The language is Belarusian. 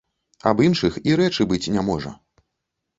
Аб іншых і рэчы быць не можа.